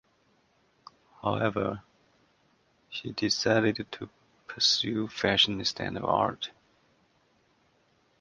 However, she decided to pursue fashion instead of art.